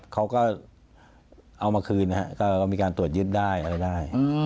เขาก็เอามาคืนนะฮะก็มีการตรวจยึดได้อะไรได้